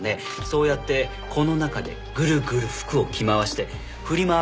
そうやってこの中でぐるぐる服を着回してフリマ